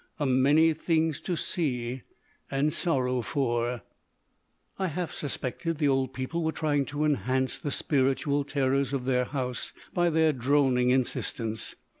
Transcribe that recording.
"A many things to see and sorrow for." I half suspected the old people were trying to enhance the spiritual terrors of their house by their droning insistence.